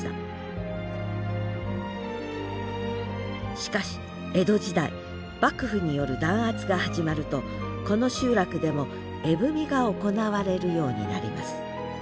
しかし江戸時代幕府による弾圧が始まるとこの集落でも絵踏が行われるようになります。